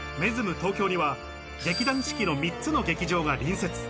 東京には劇団四季の３つの劇場が隣接。